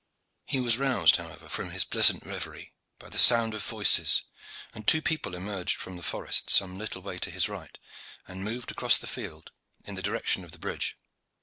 He was roused, however, from his pleasant reverie by the sound of voices, and two people emerged from the forest some little way to his right and moved across the field in the direction of the bridge.